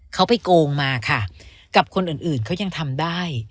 เขาไปโกงมาค่ะกับคนอื่นเขายังทำได้